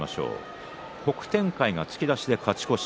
北天海が突き出して勝ち越し。